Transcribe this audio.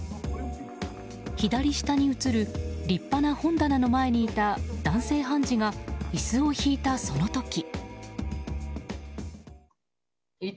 左下に映る立派な本棚の前にいた男性判事が椅子を引いたその時。